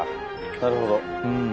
なるほど。